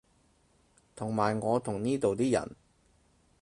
同埋我同呢度啲人